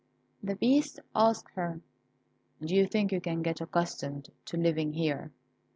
The Beast asked her, "Do you think you can get accustomed to living here?"